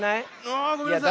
あごめんなさい。